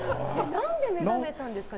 何で目覚めたんですか？